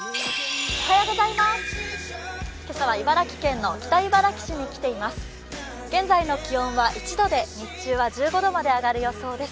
今朝は茨城県北茨城市に来ています。